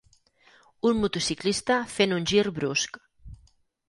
Un motociclista fent un gir brusc.